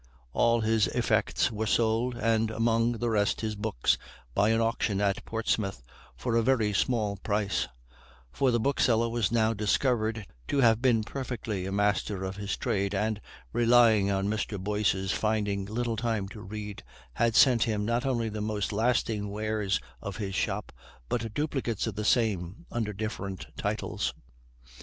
All his effects were sold, and among the rest his books, by an auction at Portsmouth, for a very small price; for the bookseller was now discovered to have been perfectly a master of his trade, and, relying on Mr. Boyce's finding little time to read, had sent him not only the most lasting wares of his shop, but duplicates of the same, under different titles.